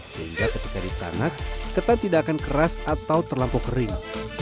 sehingga ketika ditanak ketan tidak akan keras atau terlampau kering